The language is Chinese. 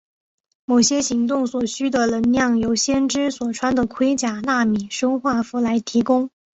某些行动所需的能量由先知所穿的盔甲纳米生化服来提供。